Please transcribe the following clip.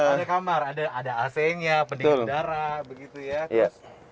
ada kamar ada ac nya pendingin darah begitu ya